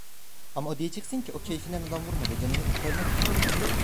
Ama diyeceksin ki, o keyfinden adam vurmadı, canını kurtarmak için vurdu.